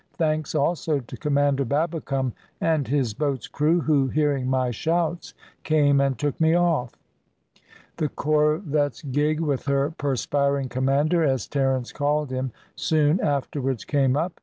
"Thanks also to Commander Babbicome and his boat's crew, who hearing my shouts came and took me off." The corvette's gig, with her perspiring commander (as Terence called him), soon afterwards came up.